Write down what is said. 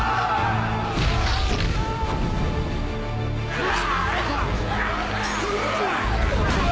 うわ！